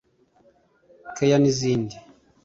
‘Care’ n’izindi